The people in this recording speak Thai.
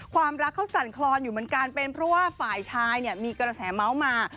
ความรักเขาสั่นคลอนอยู่เหมือนกันเป็นเพราะว่าฝ่ายชายเนี่ยมีกระแสเมาส์มา